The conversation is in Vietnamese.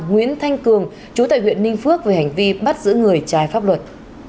nguyễn thanh cường chú tại huyện ninh phước về hành vi bắt giữ người trái pháp luật